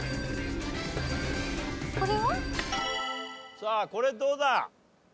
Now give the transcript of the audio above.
さあこれどうだ？